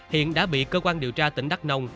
hiện đã bị cơ quan điều tra tỉnh đắk nông